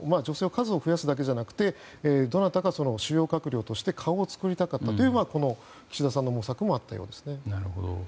数を増やすだけでなくどなたかが主要閣僚として顔を作りたかったという岸田さんの模索もあったようです。